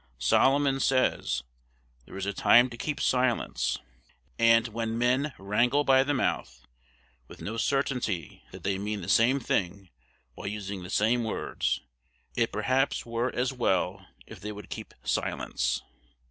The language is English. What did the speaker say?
Solomon says, 'There is a time to keep silence;' and when men wrangle by the mouth, with no certainty that they mean the same thing while using the same words, it perhaps were as well if they would keep silence.